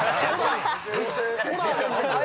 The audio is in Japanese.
ホラーだ。